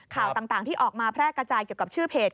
ข่าวต่างที่ออกมาแพร่กระจายเกี่ยวกับชื่อเพจ